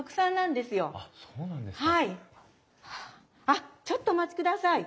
あっちょっとお待ちください。